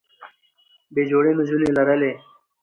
بې جوړې نجونې لرلې